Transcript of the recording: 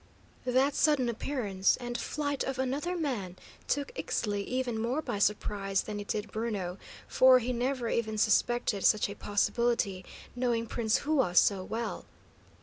That sudden appearance and flight of another man took Ixtli even more by surprise than it did Bruno, for he never even suspected such a possibility, knowing Prince Hua so well.